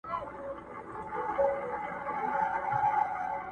o د بل په اوږو مياشت گوري٫